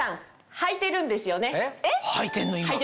はいてんの今。